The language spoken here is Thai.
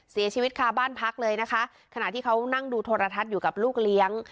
เสียชีวิตคาบ้านพักเลยนะคะขณะที่เขานั่งดูโทรทัศน์อยู่กับลูกเลี้ยง